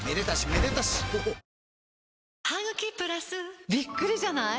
［でも］びっくりじゃない？